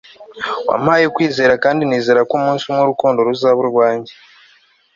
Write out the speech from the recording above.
wampaye kwizera kandi nizera ko umunsi umwe urukundo ruzaba urwanjye